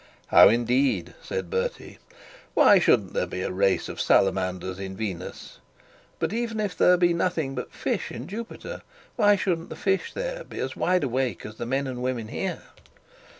'How indeed!' said Bertie. 'Why shouldn't there be a race of salamanders in Venus? And even if there be nothing but fish in Jupiter, why shouldn't the fish there be as wide awake as the men and women here?'